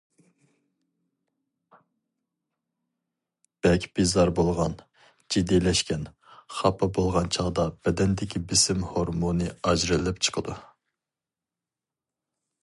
بەك بىزار بولغان، جىددىيلەشكەن، خاپا بولغان چاغدا بەدەندىكى بېسىم ھورمۇنى ئاجرىلىپ چىقىدۇ.